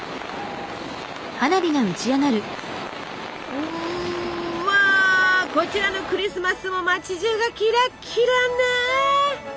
うわこちらのクリスマスも街じゅうがキラキラね！